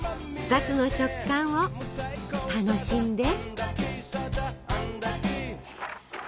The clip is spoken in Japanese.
２つの食感を楽しんで。